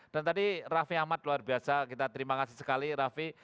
dan tadi raffi ahmad luar biasa kita terima kasih sekali raffi